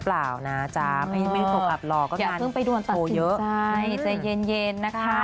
โปร่งเหมือนกัน